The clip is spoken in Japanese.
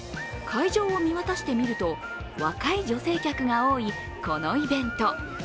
会場を見渡してみると若い女性客が多いこのイベント。